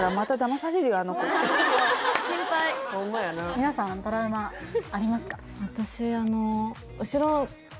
皆さんトラウマありますか？